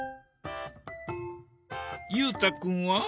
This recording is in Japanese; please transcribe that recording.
裕太君は？